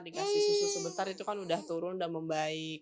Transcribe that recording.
dikasih susu sebentar itu kan udah turun dan membaik